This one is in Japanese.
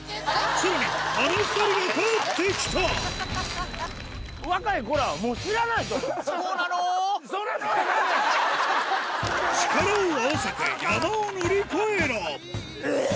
さらにあの２人が帰ってきた力を合わせて山を乗り越えろオェ！